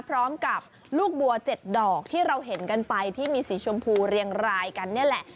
พร้อมกับลูกบัว๗ดอกที่เราเห็นกันไปที่มีสีชมพูเรียงรายกันนี่แหละ